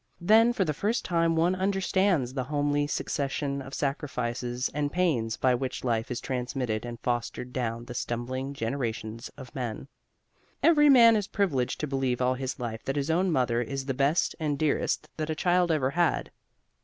Then for the first time one understands the homely succession of sacrifices and pains by which life is transmitted and fostered down the stumbling generations of men. Every man is privileged to believe all his life that his own mother is the best and dearest that a child ever had.